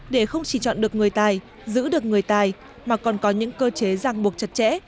để không chỉ chọn được người tài giữ được người tài mà còn có những cơ chế giang buộc chặt chẽ